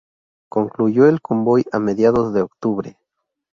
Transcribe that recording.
Concluyó el convoy a mediados de octubre.